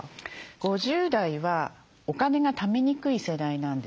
５０代はお金がためにくい世代なんですね。